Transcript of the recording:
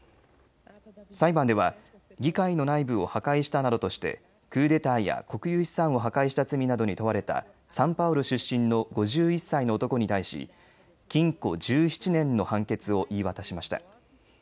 裁判では議会の内部を破壊したなどとしてクーデターや国有資産を破壊した罪などに問われたサンパウロ出身の５１歳の男に対し禁錮１７年の判決を言い渡しました。